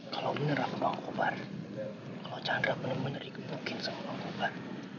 kalau bener aku bang kobar kalau chandra bener bener dikepukin sama orang kobar